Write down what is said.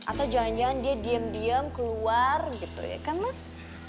atau jangan jangan dia diam diam keluar gitu ya kan mas